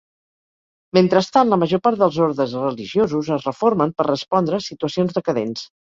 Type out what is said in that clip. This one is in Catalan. Mentrestant, la major part dels ordes religiosos es reformen per respondre a situacions decadents.